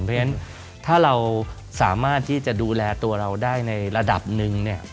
เพราะฉะนั้นถ้าเราสามารถที่จะดูแลตัวเราได้ในระดับหนึ่ง